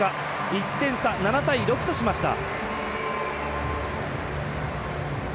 １点差、７対６としました。